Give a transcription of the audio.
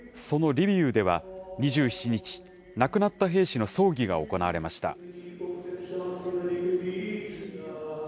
そのリビウでは２７日、亡くなった兵士の葬儀が行われました。